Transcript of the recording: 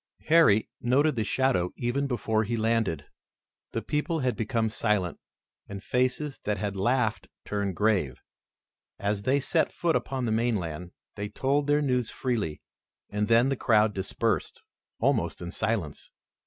Harry noted the shadow even before he landed. The people had become silent, and faces that had laughed turned grave. As they set foot upon the mainland, they told their news freely, and then the crowd dispersed almost in silence.